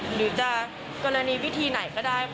หรือจะกรณีวิธีไหนก็ได้